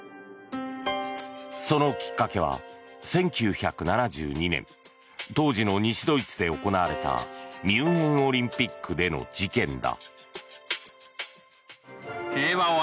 そのきっかけは１９７２年当時の西ドイツで行われたミュンヘンオリンピックでの事件だ。